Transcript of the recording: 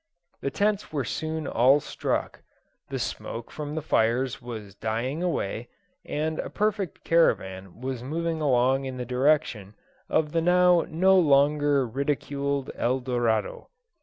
The tents were soon all struck, the smoke from the fires was dying away, and a perfect caravan was moving along in the direction of the now no longer ridiculed El Dorado.